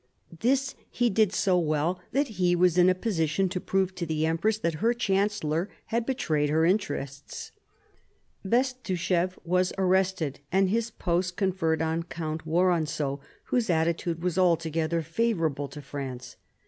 This he did so well that he was in a position to prove to the Empress that her chancellor had betrayed her interests. Bestuchéf was arrested and his post conferred on Count Woronzow, whose attitude was altogether favourable to France.